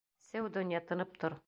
Сеү, донъя, тынып тор!